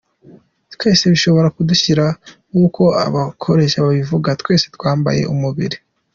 Twese bishobora kudushyikira, nk’uko abarokore babivuga, twese twambaye umubiri.